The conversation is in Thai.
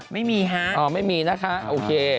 ไม่มีฮะอ๋อไม่มีนะคะโอเค